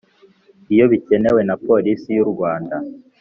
Iyo bikenewe na Polisi y u Rwanda